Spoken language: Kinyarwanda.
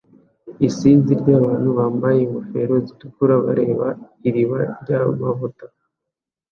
Isinzi ryabantu bambaye ingofero zitukura bareba iriba ryamavuta